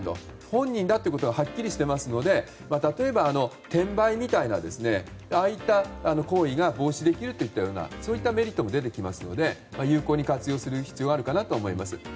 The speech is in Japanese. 本人だってはっきりしていますので例えば、転売みたいな行為が防止できるといったようなメリットも出てきますので有効に活用する必要があるかなと思います。